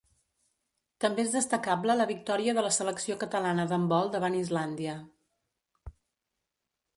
També és destacable la victòria de la selecció catalana d'handbol davant Islàndia.